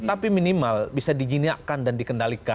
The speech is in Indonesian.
tapi minimal bisa dijinakkan dan dikendalikan